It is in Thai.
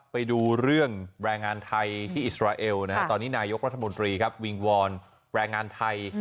ไปดูเรื่องแรงงานไทยที่อิสราเอลตอนนี้นายกรัฐมนตรีครับวิงวอนแรงงานไทย